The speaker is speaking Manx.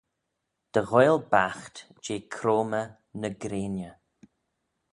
Dy ghoaill baght jeh croymmey ny grainey.